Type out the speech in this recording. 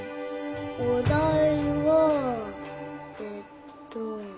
お題はえっと。